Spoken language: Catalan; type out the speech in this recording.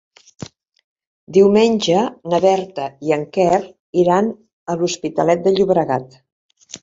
Diumenge na Berta i en Quer iran a l'Hospitalet de Llobregat.